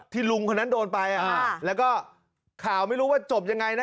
ลุงคนนั้นโดนไปแล้วก็ข่าวไม่รู้ว่าจบยังไงนะ